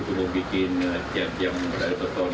sebelum nyetir dia keluar terus dengan garis regresinya